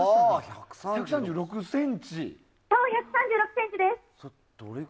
そう、１３６ｃｍです！